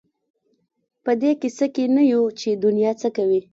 په دې کيسه کې نه یو چې دنیا څه کوي.